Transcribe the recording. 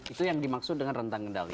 itu yang dimaksud dengan rentang kendali